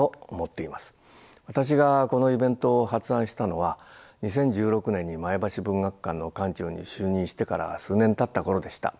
私がこのイベントを発案したのは２０１６年に前橋文学館の館長に就任してから数年たった頃でした。